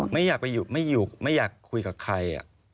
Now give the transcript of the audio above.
ไม่อยากไปไม่อยู่ไม่อยากคุยกับใคร